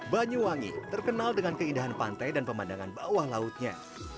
banyuwangi terkenal dengan keindahan pantai dan pemandangan bawah lautnya